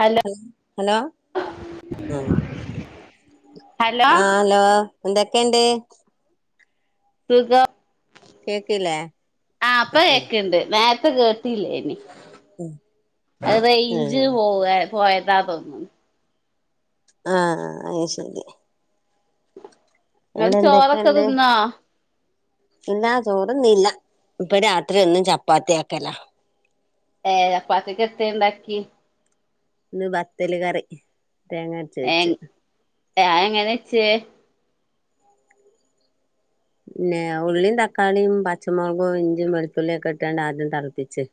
Hello hello ആഹ് hello ആഹ് hello എന്തൊക്കെണ്ട്? സുഖം കേക്കില്ലേ ആഹ് ഇപ്പ ഉം കേക്ക്ണ്ട് നേര്ത്തെ കേ ട്ടില്ലേനി. അത് റൈഞ്ച് ഉം പോവ പോയതാ തോന്നുണ്. ആഹ് അയ് ശരി ഇങ്ങള് ഇവിടെ ചോറൊക്കെ എന്തൊക്കെയുണ്ട് തിന്നോ? ഇല്ല ചോറ്ന്നീല്ല. ഇപ്പ രാത്രി എന്നും ചപ്പാത്തി ആക്കലാ. ഏഹ് ചപ്പാത്തിക്ക് എത്തെ ഇണ്ടാക്കി? ഇന്ന് ബത്തല് കറി തേങ്ങ അരച്ച് വെച്ച്. ഏഹ് അഎങ്ങനെ വച്ചേ? പിന്നെ ഉള്ളിംതക്കാളിം പച്ചമുളകും ഇഞ്ചിയും വെളുത്തുള്ളിം ഒക്കെ ഇട്ടാണ്ട് ആദ്യം തളപ്പിച്ച്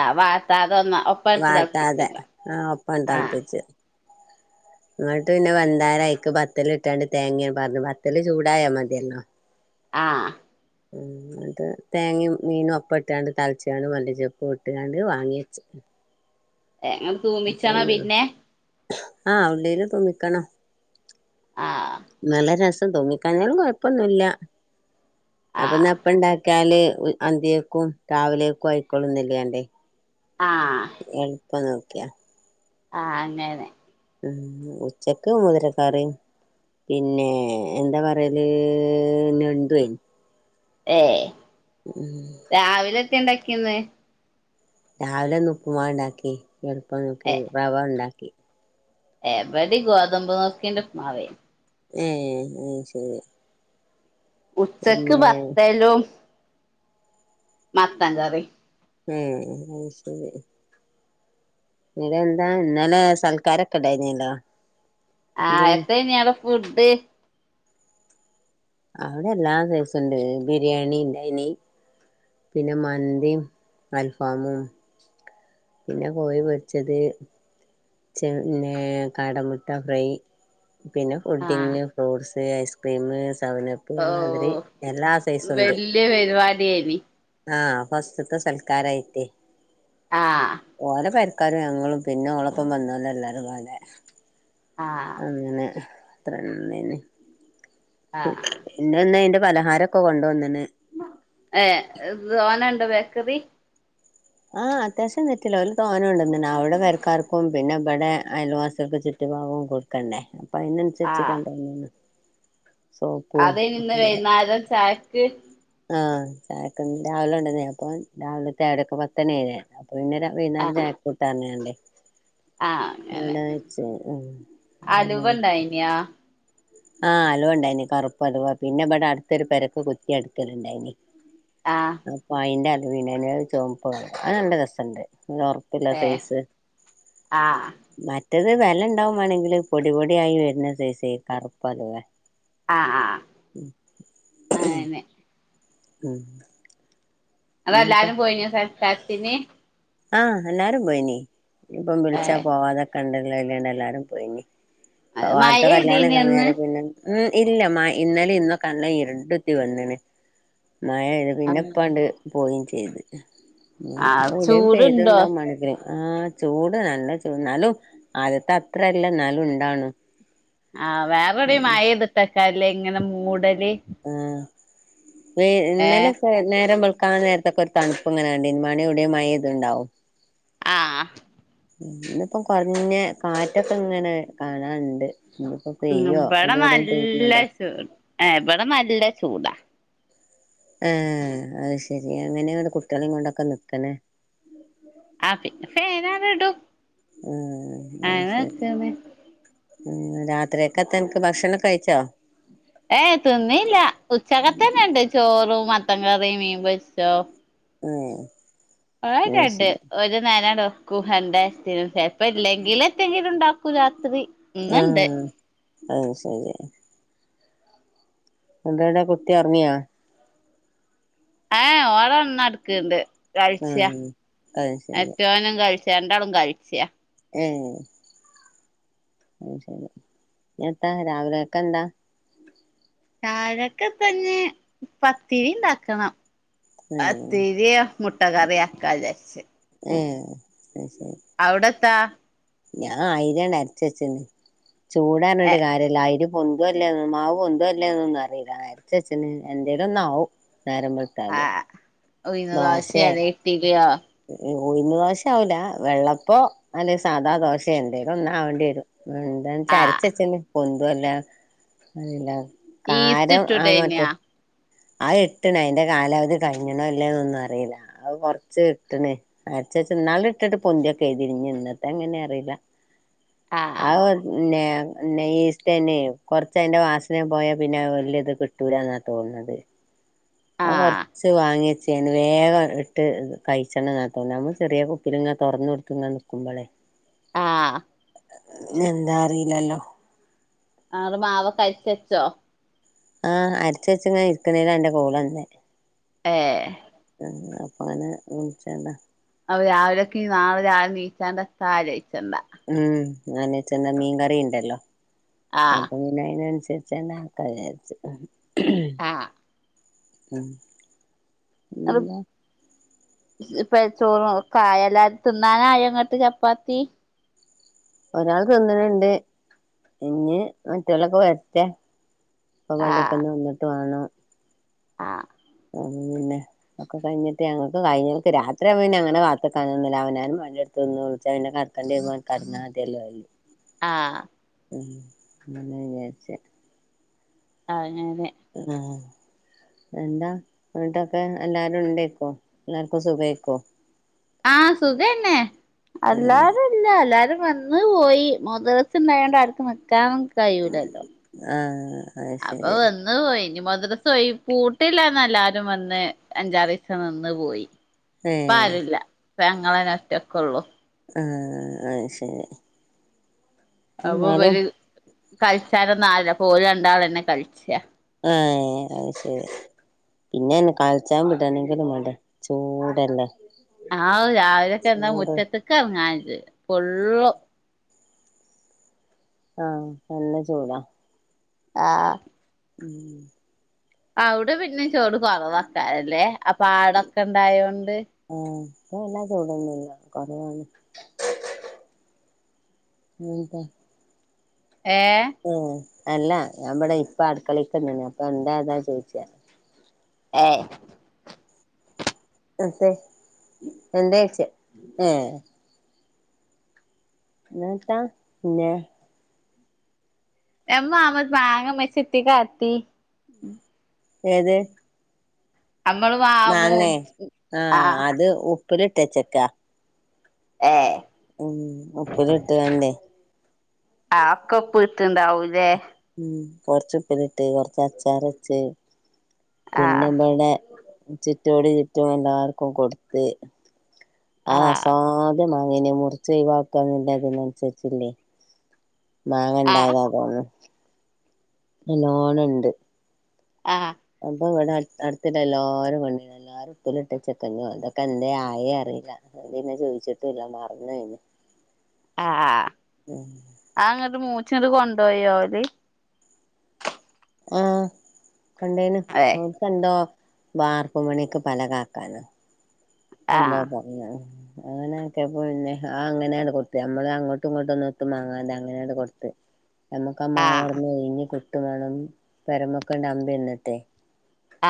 ആഹ് വാട്ടാതെ ഒന്ന ഇട്ട് വാട്ടാതെ തിളപ്പിച്ചണ്ട ആഹ് ഒപ്പാണ് ആ തൾപ്പിച്ച്. [inaudible] ഇങ്ങട്ട് പിന്നെ വെന്താലയിക്ക് ബത്തല് ഇട്ടാണ്ട് തേങ്ങിം പാർന്ന് ബത്തല് ചൂടായാ മതിയല്ലോ. ആഹ് ഉം ഇന്നട്ട് തേങ്ങയും മീനും ഒപ്പട്ടാണ്ട് തളച്ചാണ്ട് മല്ലിച്ചെപ്പും ഇട്ട്ങ്ങാണ്ട് വാങ്ങി വെച്ച്. എ ങ്ങട് അത്രെന്നൊള്ളു ആഹ് ഉള്ളീല് തൂമ്പിക്കണം. ആഹ് ഇന്നലെ രസം തോന്നി. കല്യാണം കൊഴപ്പൊന്നുല്ല ആ അപ്പന്നാ ഇപ്പണ്ടാ ക്കാല് അന്തിക്കക്കും രാവിലേക്കും ആയിക്കൊള്ളുംന്നെല്ല്യാണ്ടേ. ആഹ് എൾപ്പം നോക്ക്യാ. ആഹ് അങ്ങനെ ഉം ഉച്ചക്ക് മുതിരക്കറിം പിന്നേ എന്താ പറ്യല് ഞണ്ട്വേനി. ഏഹ് ഉം രാവിലെ എത്തേ ഇണ്ടാക്ക്യെന്ന്? രാവിലെ ഇന്ന് ഉപ്പ്മാവ്ണ്ടാക്കി. എളുപ്പം നോക്കി റവ ഉണ്ടാക്കി. ഏഹ് ഇബടിം ഗോതമ്പ് നുർക്കിന്റെ ഉപ്പ് മാവേനി. ഏഹ് അഹ് ശരി. ഉച്ചക്ക് പിന്നെ ബത്തലും മത്തൻ കറി ഉം അയ് ശരി. [unintelligible] എന്താ ഇന്നലെ സൽക്കാരൊക്കെ ഇണ്ടായിന്യല്ലോ. ആഹ് എത്തേനി ആടെ ഫുഡ്? അവ്ടെ എല്ലാ സൈസും ണ്ട് ബിരിയാണിണ്ടൈനി. പിന്നെ മന്തിം അൽഫാമും. പിന്നെ കോയി പൊര്ച്ചത്. ചെ പിന്നെ കാട മുട്ട ഫ്രൈ. പിന്നെ പുഡ്ഡിംഗ്, ആഹ് ഫ്രൂട്ട്സ്, ഐസ്ക്രീമ്, സെവൻ അപ് പർഞ്ഞാതിരി എല്ലാ സൈസു ണ്ട്. ല്യ പരിപാട്യേനി. ആഹ് ഫസ്റ്റ്ത്തെ സൽക്കാരായിട്ടെ ആഹ് ഓലെ പെരക്കാരും ഞങ്ങളും പിന്നെ ഓളൊപ്പം വന്നോലെല്ലാരും പാടെ ആഹ് അങ്ങനെ [unintelligible] ആഹ് പിന്നെന്ന് അയിന്റെ പലഹാരൊക്കെ കൊണ്ടുവന്നണ് ഏഹ് തോനെ ഉണ്ടോ ബേക്കറി ആഹ് അത്യാവശ്യം തെറ്റില്ല. ഓല് തോനെ കൊണ്ടന്ന്ണ്. അവിടെ പെരക്കാർക്കും പിന്നെ ഇവിടെ അയൽവാസികൾക്ക് ചുറ്റ് ഭാഗോ കൊട് [unintelligible] അപ്പൊ അയിനനുസരിച്ച് ആഹ് കൊണ്ട് വന്നീന്നു അതേ ഇന്ന് [unintelligible] ചായക്ക് ആഹ് ചായക്ക്‌ രാവിലെ കൊണ്ട് വന്നെ. അപ്പൊ രാവിലത്തെ പത്തു മണി [unintelligible] അപ്പൊ പിന്നെ വൈകുന്നേരം ആഹ് ചായക്കൂട്ടാ [unintelligible] ആഹ് അങ്ങനെ അവിടെ വെച്ചു ഉം [unintelligible] [unintelligible] ആഹ് അലുവണ്ടായിനി. കറുപ്പ് അലുവാ പിന്നെ ഇബടെ അടുത്തൊരു പെരക്ക് കുറ്റി അടിക്കല്ണ്ടായിനി ആഹ് അപ്പൊ അയ്ന്റെ അലുവയുണ്ടായ്നു. അത് ചൊമപ്പ് കളറ് അത് നല്ല രസ ഉണ്ട്. [unintelligible] [unintelligible] ഏഹ് സൈസ് ആഹ് മറ്റത് വിലയുണ്ടാവും വേണെങ്കില് പൊടി പൊടിയായി വരുന്ന സൈസ് കറുപ്പലുവ ആഹ് ആഹ് [inaudible] അങ്ങനെ ഉം എന്നിട്ട് അതെല്ലാരും പോയിനോ സൽക്കാരത്തിന് ആഹ് എല്ലാരും പോയിനീ ഇപ്പം വിളിച്ചാ ഏഹ് പോവാതൊക്കണ്ടല്ലോ കരുതി എല്ലാരും പോയിനീ മഴ അവിടെത്ത കല്യാണം പെയ്തീന്യോ ഇന്ന് കഴിഞ്ഞേര പിന്നെ ഉം ഇല്ല മ ഇന്നലെ ഇന്നും [unintelligible] വന്നിണ് മഴ ആഹ് പിന്നെയിപ്പാണ്ട് പോകയും ചെയ്ത് ആഹ് എവിടെയും ചൂടുണ്ടോ പെയ്ത്ണ്ടാകും ആഹ് ചൂടാ നല്ല ചൂട് എന്നാലും ആദ്യത്തെ അത്രല്ല എന്നാലും ഉണ്ടാവണ് ആഹ് വേറെവിടെയും മഴ പെയ്തിട്ടേക്കാരം ല്ലേ ഇങ്ങനെ മൂടല് ആഹ് വി ഏഹ് ഇന്നലെ നേരം വെളുക്കാൻ നേരത്തെക്കെ ഒരു തണുപ്പ്ങ്ങനാണ്ട് [unintelligible] മഴ പെയ്തുണ്ടാവും ആഹ് ഇന്നിപ്പ കുറഞ്ഞ് കാറ്റൊക്കെ ഇങ്ങനെ കാണാറുണ്ട് ഇപ്പോ ഉം ഇവിടെ നല്ല ചൂ ഇവിടെ നല്ല ചൂടാ ഏഹ് അത് ശരി എങ്ങനെയാണ് കുട്ടികളെ കൊണ്ടൊക്കെ നിക്കണേ ആഹ് പിന്നെ ആഹ് [unintelligible] ഉം രാത്രിയൊക്കെത്തനക്ക് ഭക്ഷണം കഴിച്ചോ ഏഹ് തിന്നീല്ല ഉച്ചക്കത്തേന്ന് ഉണ്ട് ചോറും മത്തൻ കറിയും മീൻ പൊരിച്ചതും. ഉം [unintelligible] അത് ശരി ചെലപ്പം ഇല്ലെങ്കിലെ എന്തെങ്കിലും ഇണ്ടാ ക്കും രാത്രി ഇന്ന്ണ്ട് ആഹ് അത് ശരി എന്താ [unintelligible] കുട്ടി ഉറങ്ങിയോ ഏഹ് ഓനവിടെ ഉണർന്ന് കിടക്കുണ്ട് ആഹ് അത് ശരി [unintelligible] രണ്ടാളും കഴിച്ചയ ഏ എത്താ രാവിലേക്ക് ന്താ ചായക്ക് പിന്നെ പത്തിരി ണ്ടാക്കണം ആഹ് പത്തിരിയോ മുട്ട കറി ആക്കാ വിചാരിച്ച് ഏ അത് ശരി അവ്ടെത്താ ഞാൻ ആയിരി അങ്ങട്‌ അരച്ച് വെച്ച്ണ് ചൂടാ ഏ പറഞ്ഞിട്ട് കാര്യല്ല ആയിര പൊന്ത അല്ലേന്ന് മാവ് പൊന്തോ ഇല്ലല്ലേന്നോന്നും അറിയില്ല അരച്ച വെച്ചീന് എന്തെങ്കിലും ഒന്നാവും നേരമ്പെള് താൽ ഉഴിന്ന് ദോശയോ അതോ ഇട്ടിലിയോ ഉഴുന്ന് ദോശ ആവില്ല വെള്ളപ്പോ അല്ലെ സാധാ ദോശയോ എന്തേലും ഒന്നാവേണ്ടി വരും എന്താന്ന് ആ അരച്ച് വെച്ചിന് പൊന്തോ ഇല്ലേ അതല്ല ഈസ്റ്റ് കാരം ആ മറ്റ ഇട്ടൂടേന്യോ അത് ഇട്ട്ണ് അയിന്റെ കാലാവധി കഴിഞ്ഞണോ ഇല്ലെന്ന് ഒന്നോന്നും അറിയില്ല അ കൊറച്ച് ഇട്ട്ണ് അരച്ച വെച്ചത് ന്നാൾ ഇട്ടിട്ട് പൊന്തിയൊക്കെ ചെയ്തിന് ഇന്നത്തെ എങ്ങനെ അറിയില്ല ആ ന്നെ പിന്നെ ഈസ്റ്റന് കൊറച്ച അതിന്റെ വാസന പോയാ പിന്നെ വലിയ ഇത് കിട്ടൂലന്നാ തോന്നത് ആ [unintelligible] വാങ്ങി വെച്ച്ണ് വേഗം ഇട്ട് കഴിച്ചണ് നമ്മൾ ചെറിയ കുപ്പില ഇങ്ങെ തുറന്ന് കൊടു തങ്ങനെ നിക്കുമ്പളെ ആ എന്താ അറീലല്ലോ ആ മാവൊക്കെ അരിച്ചു വെച്ചോ ആ അരച്ചെച്ച്ങ്ങന ഇരിക്ക്ണേലാ അന്റെ കോള് വന്നെ ഏ അപ്പ അങ്ങനെ വിളിച്ചണ്ടാ അപ്പോ രാവിലെയൊക്കെ നാളെ രാവിലെ നീച്ചാണ്ട് എത്ത ആലോയ്ച്ചണ്ട ഉം [unintelligible] മീൻകറിയുണ്ടല്ലോ ആ അത് അതിനനുസരിച്ചു തന്നെ ആക്കാന്ന് വിചാരിച് ആ മ് അത് ഇപ്പ ചോറും കായ എല്ലാ തിന്നാനായ ങ്ങക്ക് ചപ്പാത്തി ഒരാള് തിന്ന്ണ്ണ്ട് ഇനി മറ്റാലൊക്കെ വരട്ടെ. പ്പ ആ പള്ളിയക്കൊന്ന് വന്നിട്ട് വേണം ആ മ് പിന്നെ ഒക്കെ കഴിഞ്ഞട്ട് ഞങ്ങക് കഴിഞ്ഞിട്ട് രാത്രി പിന്നെ അങ്ങനെ കാത്തുക്കാനൊന്നില്ല അവന് മാണ്ടിയെ എടുത്ത് പിന്നെ വിളിച്ച പിന്നെ കടകണ്ടി വന്നാൽ കടന്നാമതിയല്ലോ. ആ മ് പിന്നെ വിചാരിചെ അങ്ങനെ. ആ ന്താ വീട്ടൊക്കെ എല്ലാരും ണ്ടേയ്ക്കും എല്ലാർക്കും സുഖേയ്ക്കും ആ സുഖന്നെ ആഹ് അല്ലാതെ ഇല്ല എല്ലരും വന്ന് പോയി മദ്രസ ണ്ടായോണ്ട് ആർക്ക് നിക്കാൻ കഴിയൂലല്ലോ. ആ അപ്പൊ വ നിന്ന് പോയി ഇനി മദ്രസ് ഒഴി പൂട്ടില്ലന്ന് എല്ലാരും വന്ന് അഞ്ചാറീസം നിന്ന് പോയി ഏഹ് പ്പാരൂല്ലാ പ്പം ഞങ്ങളന്നെ ഒറ്റക്കെ ള്ളൂ. ആ അത് ശരി. അപ്പോ എന്നാലും വര് കഴിച്ചാനൊന്നു ആവൂല. അപ്പൊ ഓല് രണ്ടാൾ തന്നെ കൾച്ചാ ആ അത് ശരിയാ. ഇങ്ങനെ കളിച്ചാൻ വിടണെങ്കിലും ചൂടല്ലേ ആ രാവിലെ തന്നെ ചൂട് മുറ്റത്തെക്ക് എറങ്ങാൻ ച്. പൊള്ളും. ആ നല്ല ചൂടാ. ആ ഉം അവിടെ പിന്നെ ചൂട് കൊറവക്കാറല്ലേ അ പാടൊക്കെ ഇണ്ടായൊണ്ട്? ആ ഇപ്പ എല്ലാം ചൂടൊന്നല്ല കൊറവാണ്. [unintelligible] ഏ ഉം അല്ല ഞാൻ ഇവിടെ ഇപ്പൊ അടുക്കളേ. തന്നെയനി അപ്പൊ എന്തായേതാ ചോദിച്ചയ ഏ [unintelligible] [unintelligible] എമ്മ അമ്മത് മാങ്ങ മെസിത്തി കാത്തി ഏത് അമ്മൾ മാ മാങ്ങേ ആ അത് ഉപ്പിലിട്ടച്ചേക്കാ. ഏ ഉം ഉപ്പിലിട്ടു [unintelligible] ആ അതൊക്കെ ഉപ്പിട്ടുണ്ടാവൂല്ലേ. ഉം. കൊറച്ചുപ്പിലിട്ട്. കൊറച്ച് അച്ചാറ് വെച്ച്. ആഹ് പിന്നിവടെ ചുറ്റോടി ചുറ്റും എല്ലാർക്കും കൊടുത്ത്. ആഹ് അവസാനത്തെ മാങ്ങേനെയും മുറിച്ച് ഒഴിവാക്കന്നില്ല അതിനനുസരിച്ചില്ലേ മാങ്ങ ആഹ് ഇണ്ടായതാ തോന്നുന്ന്‌. നല്ലോണം ഇണ്ട്. ആഹ് അപ്പ ഇവിടെ അടുത്ത് അടുത്ത് എല്ലരും കണ്ടില്ല എല്ലാവരും ഉപ്പിലിട്ട ചെക്കന്നും അതൊക്കെ എന്താ ആയേ അറിയില്ല അത് പിന്നെ ചോദിച്ചിട്ട് എല്ലാം പറഞ്ഞു കഴിഞ്ഞു ആഹ് അങ്ങനട്ട് മൂച്ചിന് കൊണ്ടു പോയോ അവര് ആഹ് കണ്ടേന ഏ അവർക്കു ന്തോ വാർപ്പ് പണിക്ക് പലക ആക്കാൻ എന്താ ആഹ് പറഞ്ഞ അങ്ങന ആക്കെപ്പോ പിന്നെ ആ അങ്ങനെയാണ് കൊടുത്ത് നമ്മള് അങ്ങോട്ടും ഇങ്ങോട്ടും ഒന്നും ഒത്തും മാങ്ങാത അങ്ങനെയാട്ട്കൊടുത്ത് [inaudible] നമ്മുക്ക് ആ മാവ് ആഹ് അവിടന്ന് ഒഴിഞ്ഞ് കിട്ടിം വേണം പെരമൊക്കണ്ട അമ്പിന്നട്ടെ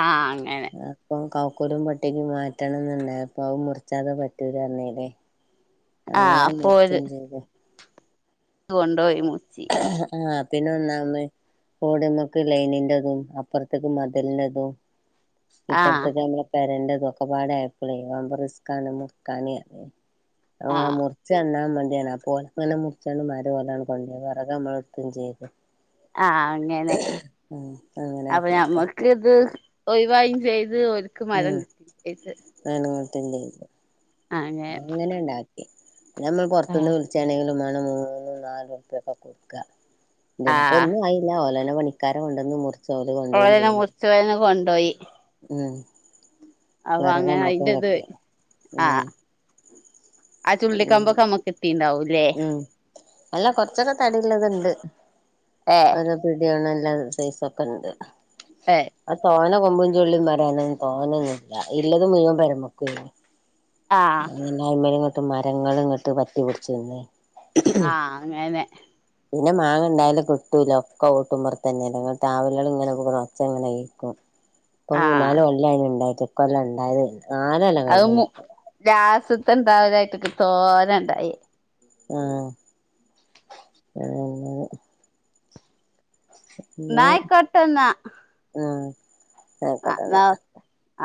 ആഹ് അങ്ങനെ അപ്പൊ കൗക്കൂരും പട്ടി കിംമാറ്റണംന്നുണ്ടായപ്പൊ അത് മുറിച്ചാതെ പറ്റൂലർ ഞ്ഞിലെ ആഹ് അപ്പോ ഒരു [inaudible] ഇത് കൊണ്ടോയി മൂച്ചി ആഹ് ആഹ് പിന്നെ ഒന്നാ മത്ഓടമ്മക്ക് ലൈനിൻറതും അപ്പുറത്തേക്ക് മതിലിന്റെതും ആഹ് ഇപ്പഴത്തെ ടൈമില് വരണ്ടതൊക്കെപാടേ ലീവാവ്മ്പോ റിസ്ക്കാണ് നിക്കാന് ആഹ് [unintelligible] ച്ചന്നെ മതിയാർന്ന് അപ്പോ ങ്ങനെ മുറിച്ചാണ്ട് മരം അതാണ് [unintelligible] വെറക് നമ്മൾ എടുക്കേം ചെയ്ത് ആഹ് അങ്ങനെ ഉം അങ്ങനെ അപ്പൊ ആക്കിയൊക്കെ ഞമ്മക് ക്ക് ഇത് ഒഴിവായും ചെയ്ത് ഓര്ക്ക് മരം കിട്ടേം ചെയ്ത് [unintelligible] അങ്ങനെ അങ്ങനെണ്ടാക്കി ഞമ്മൾ പൊറത്തുന്ന് വിളി ച്ചാണെങ്കില് [unintelligible] ഇപ്പോ ആഹ് ഒന്നും ആയില്ല ഓല് തന്നെ പണി ക്കാരെ കൊണ്ടന്ന് മുറി അവര് തന്നെ മുറിച്ചു അവരന്നെ കൊണ്ടോയി ഉം അപ്പൊ വെറക് അങ്ങനെ നമ്മക്കും അയിന്റെ ഇത് കിട്ടി ഉം ആഹ് ആ ഉം ചുള്ളിക്കമ്പൊക്കെ നമ്മക്ക് ട്ടീണ്ടാവുംല്ലേ ഉം അല്ല കൊറച്ചൊക്കെ തടി ള്ളത്ണ്ട് ഏ ഓരോ പിടിയുള്ള എല്ലാ സൈസൊക്കെ ഉണ്ട് ആഹ് ആ തോനെ കൊമ്പും ചുള്ളിയും വരാന് തോനെയൊന്നൂല്ല ഇള്ളത് മുഴുവൻ പെരമേക്ക് വീണു ആഹ് പിന്നയ്മേലിങ്ങോട്ട് മരങ്ങളും ഇങ്ങോട്ട് പറ്റിപടിച്ചുന്നേ ആഹ് അങ്ങനെ പിന്നെ മാങ്ങ ഇണ്ടായാലും കിട്ടൂല ഒക്കെ ഓട്ടുമ്പറത്തന്നെല്ല ങ്ങട്ടാവലകള് ങ്ങനെ പോവണ ഒച്ചങ്ങനെ കേക്കും [inaudible] ഇപ്പൊ മൂന്നാല് കൊല്ലായിന് ഉണ്ടായിട്ട് ഇക്കൊല്ലം ഒണ്ടായതേ നാലല്ല അത് മു ലാസത്തെ ത്തുണ്ടായതായിട്ടിട്ട് തോനേ ണ്ടായി ആഹ് ഏ പിന്നെ ന്നായ്ക്കോട്ടെന്നാ ആഹ് ആയിക്കോട്ടെന്നാ ആ